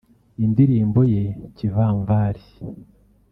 Indirimbo ye Kivamvari